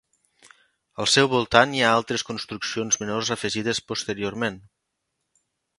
Al seu voltant hi ha altres construccions menors afegides posteriorment.